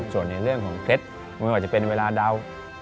ส่วนในเรื่องของเคล็ดไม่ว่าจะเป็นเวลาเดา